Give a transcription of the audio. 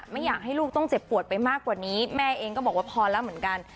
ไม่อยากให้ลูกต้องเจ็บปวดไปมากกว่านี้แม่เองก็บอกว่าพอแล้วเหมือนกัน